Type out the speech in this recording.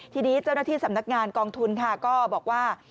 ทีนี้เจ้าหน้าที่สำนักงานกองทุนค่ะก็บอกว่า